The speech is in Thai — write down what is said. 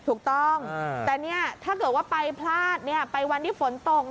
ถูกต้องถ้าเกิดว่าใครพลาดไปวันที่ฝนตก